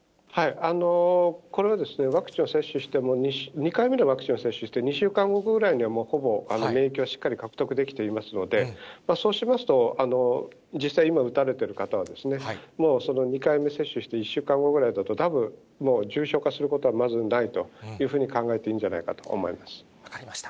これはワクチンを接種しても、２回目のワクチンを接種して、２週間後ぐらいにはもうほぼ免疫はしっかり獲得できていますので、そうしますと、実際今打たれている方は、２回目接種して１週間後ぐらいだと、たぶん、もう重症化することはまずないというふうに考えていいんじゃない分かりました。